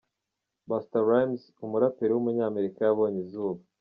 Busta Rhymes, umuperi w’umunyamerika yabonye izuba.